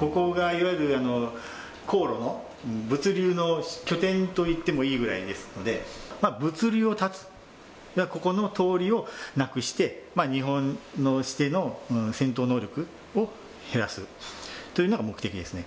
ここがいわゆる、航路の物流の拠点といってもいいぐらいですので、物流を断つ、ここの通りをなくして、日本の戦闘能力を減らすというのが目的ですね。